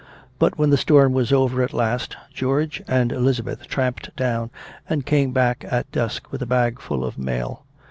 But when the storm was over at last, George and Elizabeth tramped down and came back at dusk with a bag full of mail.